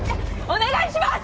お願いします！